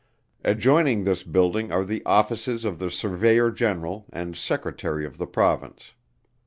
Adjoining this building are the Offices of the Surveyor General and Secretary of the Province.